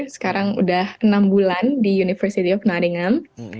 sekarang udah enam bulan di university of nottingham